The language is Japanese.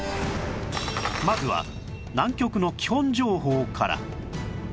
まずは南極の基本情報から